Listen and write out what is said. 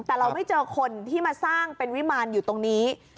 แต่เราไม่เจอคนที่มาสร้างเป็นวิมารอยู่ตรงนี้